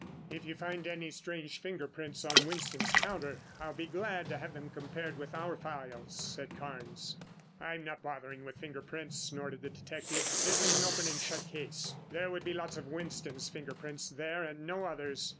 "If you find any strange finger prints on Winston's counter, I'll be glad to have them compared with our files," said Carnes. "I am not bothering with finger prints," snorted the detective. "This is an open and shut case. There would be lots of Winston's finger prints there and no others.